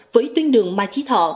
với tuyến đường ma chí thọ